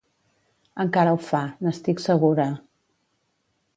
Encara ho fa, n'estic segura...